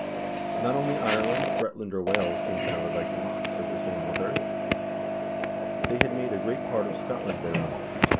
: "Not only Ireland, Bretland, or Wales came to know the Vikings," says the same author; "they had made a great part of Scotland their own."